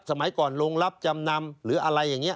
สมัยก่อนโรงรับจำนำหรืออะไรอย่างนี้